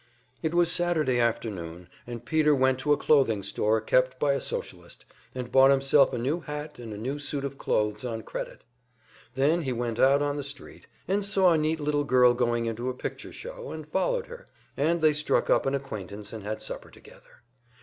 It was Saturday afternoon, and Peter went to a clothing store kept by a Socialist, and bought himself a new hat and a new suit of clothes on credit. Then he went out on the street, and saw a neat little girl going into a picture show, and followed her, and they struck up an acquaintance and had supper together.